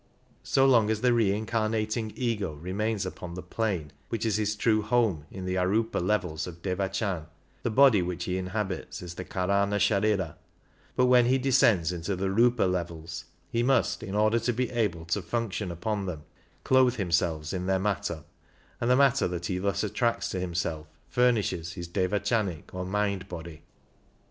So long as the reincarnating Ego remains upon the plane which is his true home in the arQpa levels of Devachan, the body which he inhabits is the Karana Sharira, but when he descends into the r^pa levels he must, in order to be able to function upon them, clothe himself in their matter ; and the matter that he thus attracts to himself furnishes his devachanic or mind body.